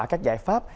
các giải pháp